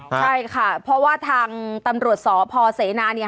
ใช่ค่ะเพราะว่าทางตำรวจสพเสนาเนี่ย